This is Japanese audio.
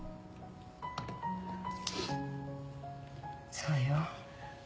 そうよ。